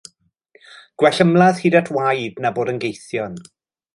Gwell ymladd hyd at waed na bod yn gaethion.